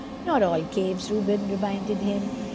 "Not all caves," Reuben reminded him.